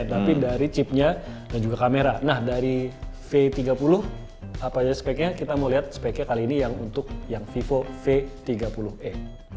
dari v tiga puluh apa aja speknya kita mau lihat speknya kali ini yang untuk yang vivo v tiga puluh e